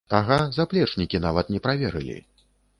Ага, заплечнікі нават не праверылі!